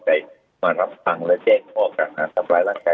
ก็จะตามสถานที่ตามไอ้อาจารย์หรือก็ตามปกปร์ที่พวกผู้เด็กที่กระทำต่อพิษไว้บ้างใจ